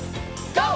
ＧＯ！